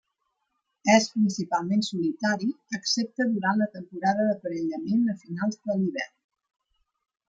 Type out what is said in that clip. És principalment solitari, excepte durant la temporada d'aparellament a finals de l'hivern.